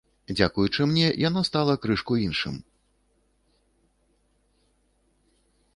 Дзякуючы мне, яно стала крышку іншым.